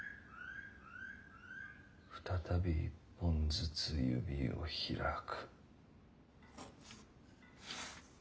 再び一本ずつ指を開く。